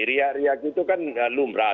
riak riak itu kan lumrah